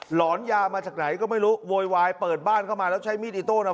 หลอนยามาจากไหนก็ไม่รู้โวยวายเปิดบ้านเข้ามาแล้วใช้มีดอิโต้น่ะ